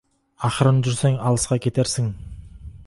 Ақырын жүрсең, алысқа кетерсің.